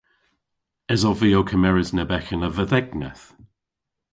Esov vy ow kemeres neb eghen a vedhegneth?